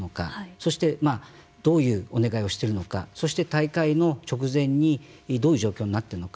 そして、どういうお願いをしているのかそして、大会の直前にどういう状況になっているのか。